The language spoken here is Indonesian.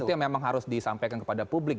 itu yang memang harus disampaikan kepada publik